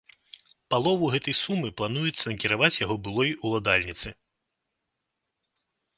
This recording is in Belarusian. Палову гэтай сумы плануецца накіраваць яго былой уладальніцы.